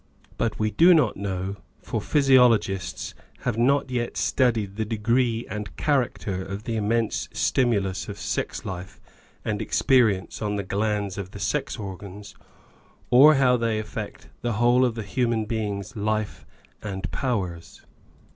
But we do not know, for physiologists have not yet studied the degree and character of the immense stimulus of sex life and experience on the glands of the sex organs, or how they affect the whole of the human being's life and powers.